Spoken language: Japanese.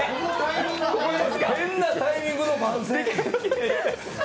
変なタイミングの番宣。